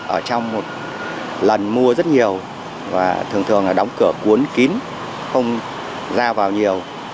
ở trong một lần mua rất nhiều và thường thường là đóng cửa cuốn kín không ra vào nhiều